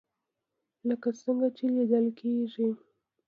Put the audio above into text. لکه څنګه چې ليدل کېږي